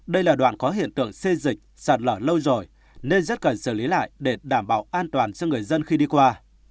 đây là đoạn có hiện tượng xê dịch sạt lở lâu rồi nên rất cần xử lý lại để đảm bảo an toàn cho người dân khi đi qua